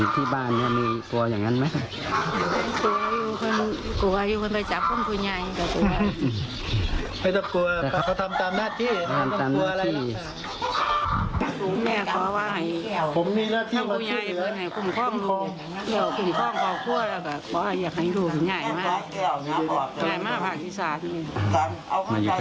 เป็นห่วงลูกเป็นห่วงกับผู้อาจเป็นห่วงลูก